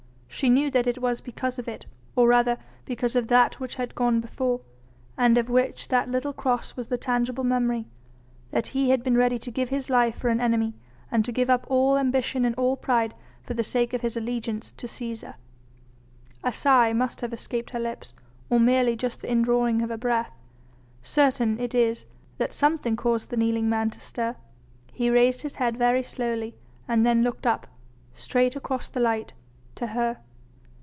She knew that it was because of it or rather because of that which had gone before, and of which that little cross was the tangible memory that he had been ready to give his life for an enemy, and to give up all ambition and all pride for the sake of his allegiance to Cæsar! A sigh must have escaped her lips, or merely just the indrawing of her breath; certain it is that something caused the kneeling man to stir. He raised his head very slowly, and then looked up straight across the light to her.